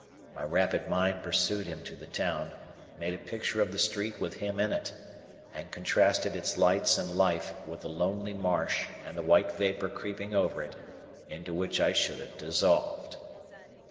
My rapid mind pursued him to the town, made a picture of the street with him in it, and contrasted its lights and life with the lonely marsh and the white vapour creeping over it, into which I should have dissolved.